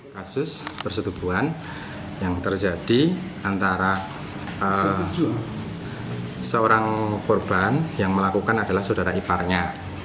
kasus persetubuhan yang terjadi antara seorang korban yang melakukan adalah saudara iparnya